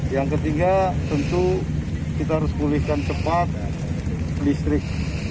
yang ketiga tentu kita harus pulihkan cepat listrik